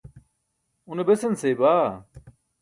Une besan seybaa?